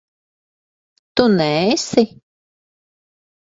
Tu neesi?